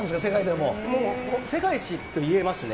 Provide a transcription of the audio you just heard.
もう、世界一と言えますね。